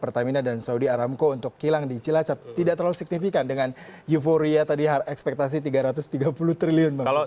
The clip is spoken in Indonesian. pertamina dan saudi aramco untuk kilang di cilacap tidak terlalu signifikan dengan euforia tadi ekspektasi tiga ratus tiga puluh triliun